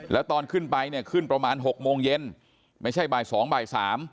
แล้วตอนขึ้นไปเนี่ยขึ้นประมาณ๖โมงเย็นไม่ใช่บ่าย๒บ่าย๓